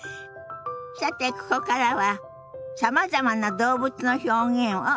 さてここからはさまざまな動物の表現をご紹介しましょ。